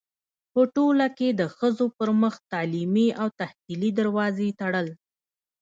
پـه ټـولـه کـې د ښـځـو پـر مـخ تـعلـيمي او تحصـيلي دروازې تــړل.